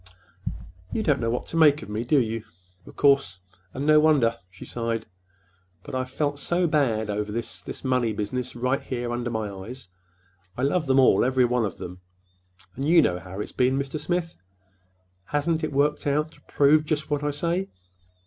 "You don't know what to think of me, of course; and no wonder," she sighed. "But I've felt so bad over this—this money business right here under my eyes. I love them all, every one of them. And you know how it's been, Mr. Smith. Hasn't it worked out to prove just what I say?